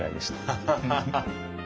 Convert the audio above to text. ハハハハ。